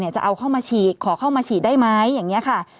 จะเอาเข้ามาฉีดขอเข้ามาฉีดได้ไหมอย่างนี้ค่ะ